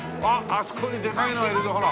あそこにでかいのいるぞほら。